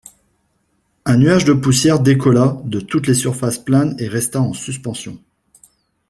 Un nuage de poussière décolla de toutes les surfaces planes et resta en suspension.